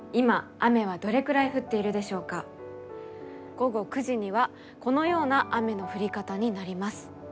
午後９時にはこのような雨の降り方になります。